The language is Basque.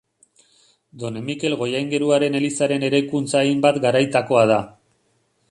Done Mikel goiaingeruaren elizaren eraikuntza hainbat garaitakoa da.